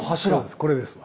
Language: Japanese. これですわ。